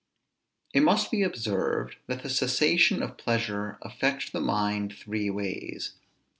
It must be observed, that the cessation of pleasure affects the mind three ways.